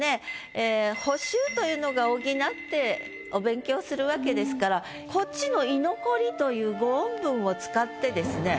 ええ「補習」というのが補ってお勉強するわけですからこっちの「居残り」という５音分を使ってですね